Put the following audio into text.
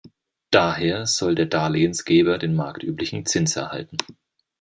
Daher soll der Darlehensgeber den marktüblichen Zins erhalten.